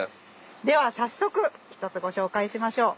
では早速１つご紹介しましょう。